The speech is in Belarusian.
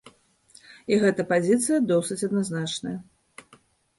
І гэта пазіцыя досыць адназначная.